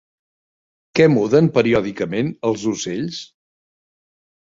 Què muden periòdicament els ocells?